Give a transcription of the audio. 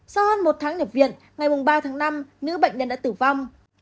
sau hơn một tháng nhập viện ngày ba tháng năm nữ bệnh nhân đã tử vong